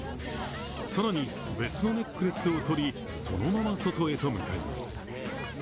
更に、別のネックレスを取り、そのまま外へと向かいます。